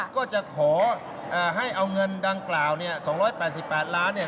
ก็จะขอให้เอาเงินดังกล่าว๒๘๘ล้านบาท